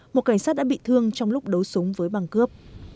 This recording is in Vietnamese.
một cảnh sát đã bị thương trong lúc đấu súng với băng cướp